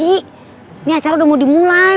ini acara udah mau dimulai